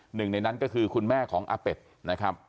หนึ่งในนั้นก็คือคุณแม่ของอาเป็ดนะครับ